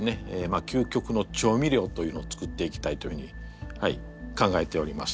究極の調味料というのを作っていきたいというふうに考えております。